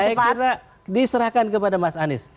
saya kira diserahkan kepada mas anies